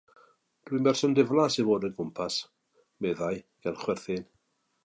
'Dwi'n berson diflas i fod o'i gwmpas,' meddai, gan chwerthin.